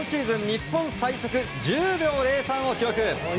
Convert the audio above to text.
日本最速１０秒０３を記録。